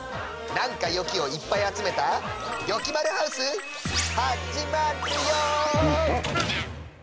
「なんかよき！」をいっぱいあつめた「よきまるハウス」はっじまっるよ！